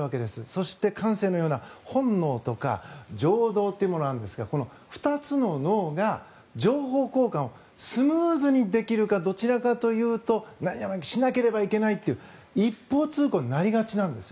そして、感性のような本能とか情動っていうものがあるんですがこの２つの脳が情報交換をスムーズにできるかどちらかというと何々しなければいけないという一方通行になりがちなんです。